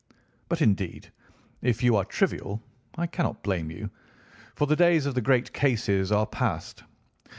But, indeed, if you are trivial, I cannot blame you, for the days of the great cases are past.